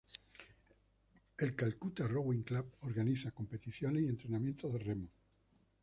El Calcutta Rowing Club organiza competiciones y entrenamientos de remo.